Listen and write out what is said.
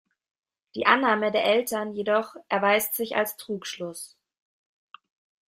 Die Annahme der Eltern jedoch erweist sich als Trugschluss.